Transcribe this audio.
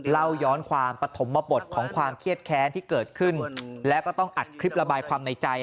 เล่าย้อนความปฐมบทของความเครียดแค้นที่เกิดขึ้นแล้วก็ต้องอัดคลิประบายความในใจ